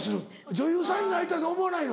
女優さんになりたいと思わない？